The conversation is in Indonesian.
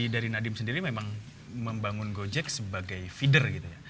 dari nadiem sendiri memang membangun gojek sebagai feeder gitu ya